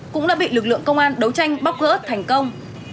cũng đã bị lực lượng công an đấu tranh bóc gỡ thành công